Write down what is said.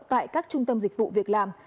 tại các trung tâm dịch vụ việc làm